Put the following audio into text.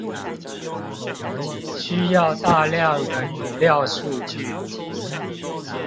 需要大量的語料數據